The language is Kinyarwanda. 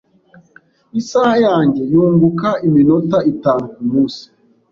Isaha yanjye yunguka iminota itanu kumunsi.